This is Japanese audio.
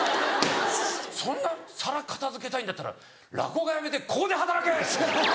「そんな皿片付けたいんだったら落語家やめてここで働け！」。